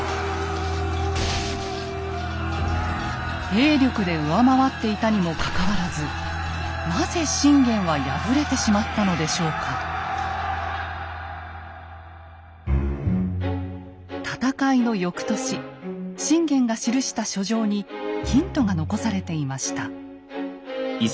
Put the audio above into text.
兵力で上回っていたにもかかわらずなぜ信玄は戦いのよくとし信玄が記した書状にヒントが残されていました。